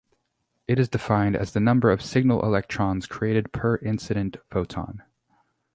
It is defined as the number of signal electrons created per incident photon.